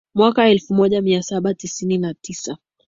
mwaka elfu moja mia saba tisini na tisa